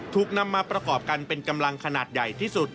ถูกนำมาประกอบกันเป็นกำลังขนาดใหญ่ที่สุด